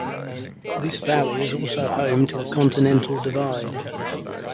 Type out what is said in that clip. This valley is also home to a continental divide.